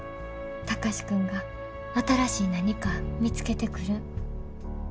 貴司君が新しい何か見つけてくるん楽しみや。